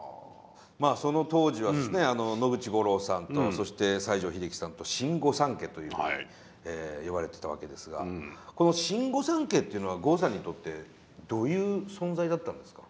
まあその当時はですね野口五郎さんとそして西城秀樹さんと「新御三家」というふうに呼ばれてたわけですがこの「新御三家」っていうのは郷さんにとってどういう存在だったんですか？